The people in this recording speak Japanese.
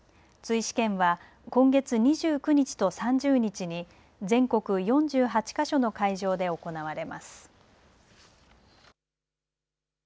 追試験は今月２９日と３０日に全国４８か所の会場で行われます。